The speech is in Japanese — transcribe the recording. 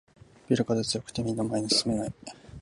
ビル風が強くてみんな前に進めない